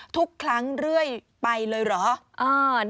ทุกครั้งเรื่อยไปเลยเหรอ